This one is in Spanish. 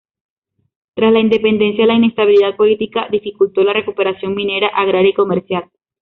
Tras la independencia, la inestabilidad política dificultó la recuperación minera, agraria y comercial.